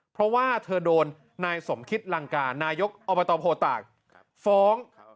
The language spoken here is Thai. เพราะว่าเธอโดนนายสมคิตลังการนายกอบตโพตากฟ้อง